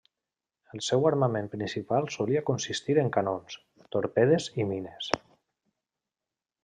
El seu armament principal solia consistir en canons, torpedes i mines.